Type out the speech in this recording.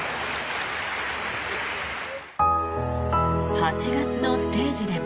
８月のステージでも。